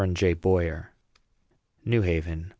J. BOYER. NEW HAVEN.